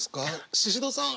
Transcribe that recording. シシドさん